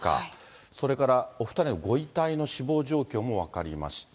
それからお２人のご遺体の死亡状況も分かりました。